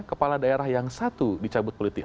kepala daerah yang satu dicabut politik